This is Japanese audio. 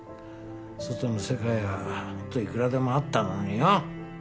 外の世界はもっといくらでもあったのによ。